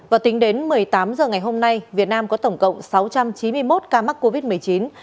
và tính đến một mươi tám h ngày hôm nay việt nam có tổng cộng sáu trăm chín mươi một ca mắc covid một mươi chín